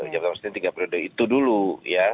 jangan lupa maksudnya tiga periode itu dulu ya